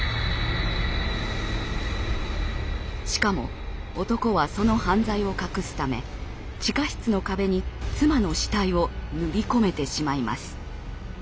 しかも男はその犯罪を隠すため地下室の壁に妻の死体を塗り込めてしまいます。